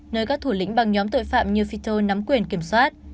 nơi các thủ lĩnh bằng nhóm tội phạm như fitter nắm quyền kiểm soát